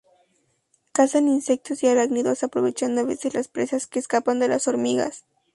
Casan insectos y arácnidos, aprovechando a veces las presas que escapan de las hormigas.